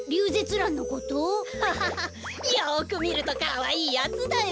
ハハハよくみるとかわいいやつだよ。